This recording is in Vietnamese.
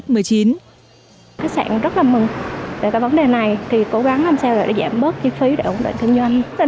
các khách sạn rất là mừng về vấn đề này cố gắng làm sao để giảm bớt chi phí để ổn định kinh doanh